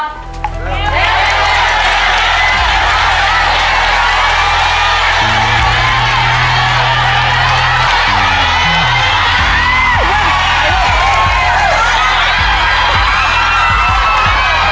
เรียบใจ